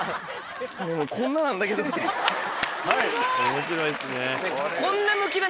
面白いですね。